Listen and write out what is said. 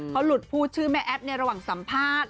เขาหลุดพูดชื่อแม่แอ๊บในระหว่างสัมภาษณ์